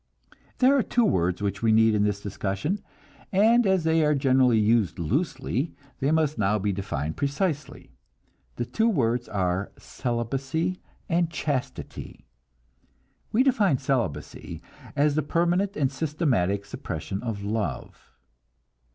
There are two words which we need in this discussion, and as they are generally used loosely, they must now be defined precisely. The two words are celibacy and chastity. We define celibacy as the permanent and systematic suppression of love.